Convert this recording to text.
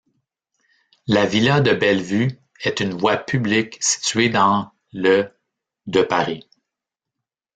La villa de Bellevue est une voie publique située dans le de Paris.